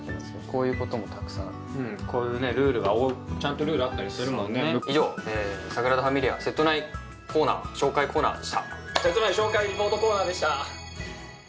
こういうこともたくさんこういうルールがちゃんとルールあったりするもんね以上サグラダファミリ家セット内コーナー紹介コーナーでしたセット内紹介リポートコーナーでした！